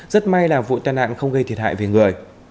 rất may là vụ tai nạn không gây thiệt hại về người